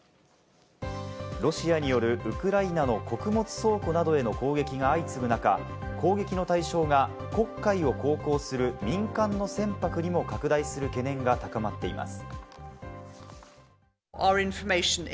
ロシアによるウクライナの穀物倉庫などへの攻撃が相次ぐ中、攻撃の対象が黒海を航行する民間の船舶にも拡大する懸念が高まっています。